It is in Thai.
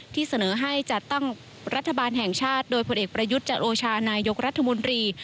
ที่เสนอให้จัดตั้งรัฐบาลแห่งชาติโดยผลเอกประยุทธ์จันโอชานายกรัฐมนตรี